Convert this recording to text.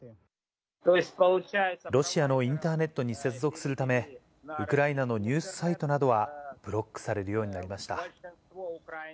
ロシアのインターネットに接続するため、ウクライナのニュースサイトなどはブロックされるようになりました。